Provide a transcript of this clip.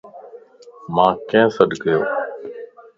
مانک ڪين سڏڪيووَ؟